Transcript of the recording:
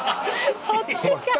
そっちか。